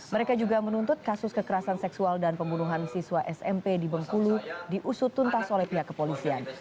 mereka juga menuntut kasus kekerasan seksual dan pembunuhan siswa smp di bengkulu diusut tuntas oleh pihak kepolisian